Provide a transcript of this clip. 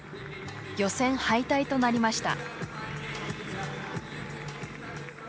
予選敗退となりました。